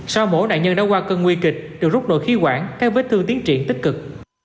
sau mỗi nạn nhân đã qua cơn nguy kịch được rút nội khí quản các vết thương tiến triển tích cực